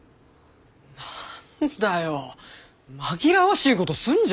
何だよ紛らわしいことすんじゃねえよ。